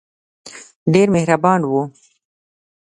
ډېر مهربان وو.